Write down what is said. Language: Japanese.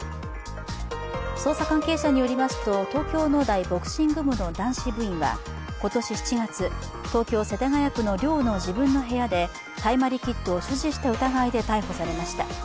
捜査関係者によりますと東京農大ボクシング部の男子部員は今年７月、東京・世田谷区の寮の自分の部屋で大麻リキッドを所持した疑いで逮捕されました